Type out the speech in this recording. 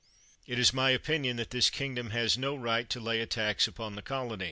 It is my opinion, that this kingdom has no right to lay a tax upon the colonies.